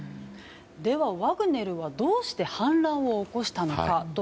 では、ワグネルはどうして反乱を起こしたのか。